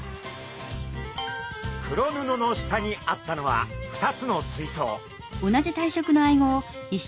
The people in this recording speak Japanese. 黒布の下にあったのは２つの水槽。